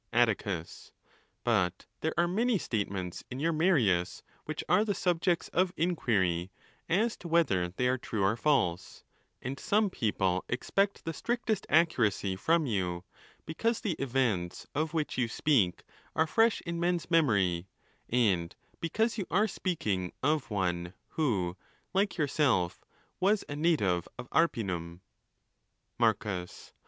Atticus —But there are many statements in your Marius which are the subjects of inquiry as to whether they are true or false ; and some people expect the strictest accuracy from you, because the events of which you speak are fresh in men's memory, and because you are speaking of one who, like your self, was a native of Arpinum. Mareus.